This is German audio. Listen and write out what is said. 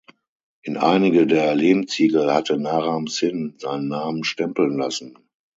In einige der Lehmziegel hatte Naram-Sin seinen Namen stempeln lassen.